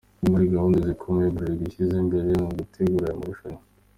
imwe muri gahunda zikomeye Bralirwa ishyize imbere mu gutegura aya marushanwa.